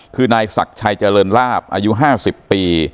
คือนายศักดิ์ชัยเจริญลาบอายุ๕๐ปี